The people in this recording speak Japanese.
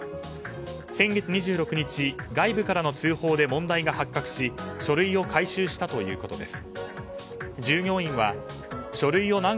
先月２６日外部からの通報で問題が発覚し書類を回収したということです。